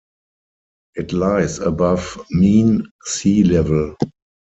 It lies above mean sea level.